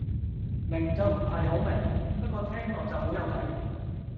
明就唔係好明，不過聽落就好有計